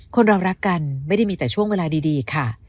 คนเรารักกันไม่ได้มีแต่ช่วงเวลาดีค่ะ